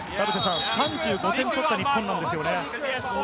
３５点取った日本なんですよね。